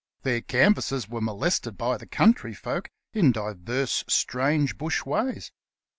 Their canvassers were molested by the country folk in divers strange bush ways.